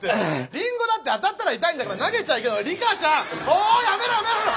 リンゴだって当たったら痛いんだから投げちゃリカちゃん⁉おやめろやめろやめろ！